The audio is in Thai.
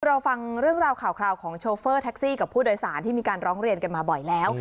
เราฟังเรื่องราวข่าวของโชเฟอร์แท็กซี่กับผู้โดยสารที่มีการร้องเรียนกันมาบ่อยแล้ว